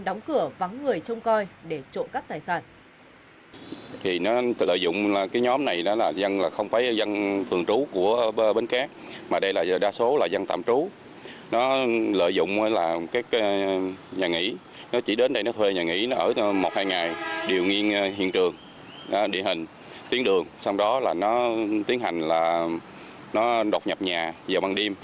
đóng cửa vắng người trông coi để trộm cắp tài sản